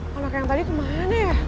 kalau kayak tadi kemana ya